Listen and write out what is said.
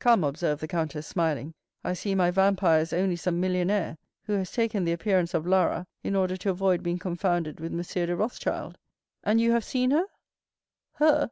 "Come," observed the countess, smiling, "I see my vampire is only some millionaire, who has taken the appearance of Lara in order to avoid being confounded with M. de Rothschild; and you have seen her?" "Her?"